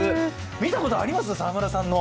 見たことあります、沢村さんの。